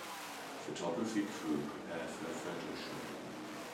Photography crew prepare for a photo shoot.